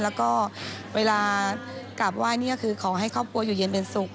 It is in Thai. แล้วก็เวลากราบไหว้นี่ก็คือขอให้ครอบครัวอยู่เย็นเป็นสุข